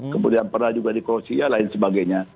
kemudian pernah juga di krosia dan lain sebagainya